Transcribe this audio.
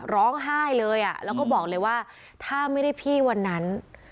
ร้องไห้เลยแล้วก็บอกเลยว่าถ้าไม่ได้พี่วันนั้น